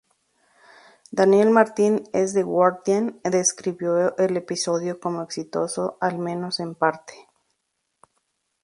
Daniel Martin, de "The Guardian", describió el episodio como "exitoso al menos en parte".